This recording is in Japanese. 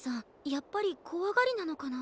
やっぱりこわがりなのかな。